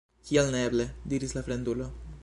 Kial neeble? diris la fremdulo.